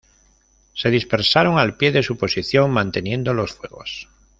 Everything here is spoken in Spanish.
Se dispersaron al pie de su posición, manteniendo los fuegos.